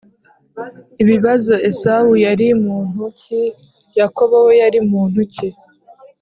Ibibazo Esawu yari muntu ki Yakobo we yari muntu ki